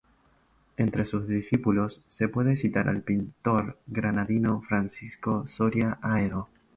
Entre sus discípulos, se puede citar al pintor granadino Francisco Soria Aedo.